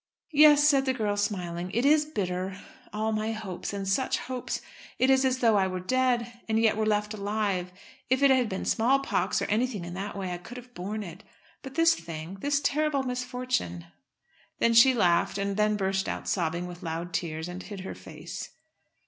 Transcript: "Yes," said the girl, smiling, "it is bitter. All my hopes! And such hopes! It is as though I were dead, and yet were left alive. If it had been small pox, or anything in that way, I could have borne it. But this thing, this terrible misfortune!" Then she laughed, and then burst out sobbing with loud tears, and hid her face.